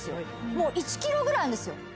もう１キロぐらいあるんですよ。